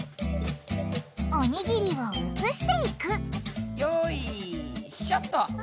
おにぎりを移していくよいしょと。